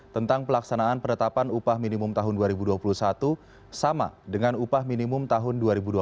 tentang pelaksanaan penetapan upah minimum tahun dua ribu dua puluh satu sama dengan upah minimum tahun dua ribu dua puluh